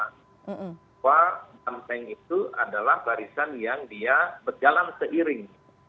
bahwa banteng itu adalah barisan yang dia berjalan seiring